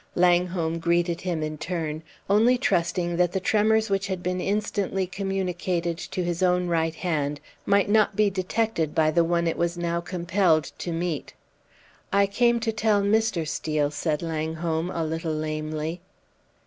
Langholm greeted him in turn, only trusting that the tremors which had been instantly communicated to his own right hand might not be detected by the one it was now compelled to meet. "I came to tell Mr. Steel," said Langholm, a little lamely.